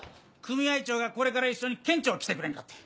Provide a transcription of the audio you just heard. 組合長がこれから一緒に県庁来てくれんかって。